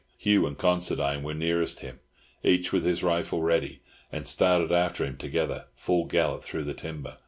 Hugh and Considine were nearest him, each with his rifle ready, and started after him together, full gallop through the timber.